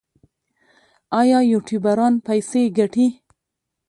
آیا یوټیوبران پیسې ګټي؟